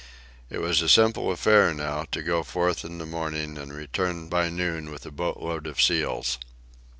It was a simple affair, now, to go forth in the morning and return by noon with a boatload of seals.